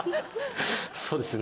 そうですね。